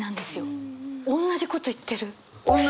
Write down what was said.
おんなじことは言ってないよ。